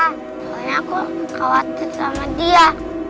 pokoknya aku khawatir sama dia